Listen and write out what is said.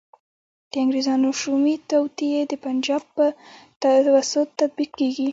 د انګریزانو شومي توطیې د پنجاب په توسط تطبیق کیږي.